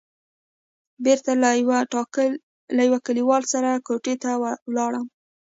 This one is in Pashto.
بېرته له يوه کليوال سره کوټې ته ولاړم.